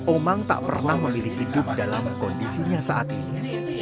omang tak pernah memilih hidup dalam kondisinya saat ini